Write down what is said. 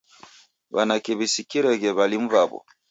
W'anake w'isikireghe w'alimu w'aw'o